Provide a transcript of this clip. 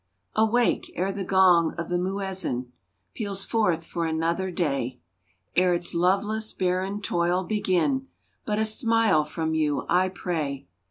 Awake! e'er the gong of the muezzin Peals forth for another day; E'er its loveless, barren toil begin But a smile from you I pray!